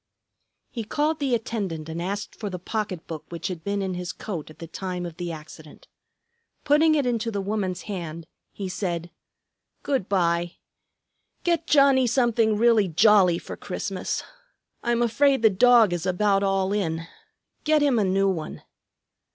He called the attendant and asked for the pocket book which had been in his coat at the time of the accident. Putting it into the woman's hand, he said, "Good by. Get Johnnie something really jolly for Christmas. I'm afraid the dog is about all in. Get him a new one."